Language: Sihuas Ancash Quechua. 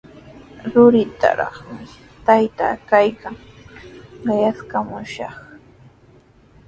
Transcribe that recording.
Ruritrawmi taytaa kaykan, qayaskamushaq.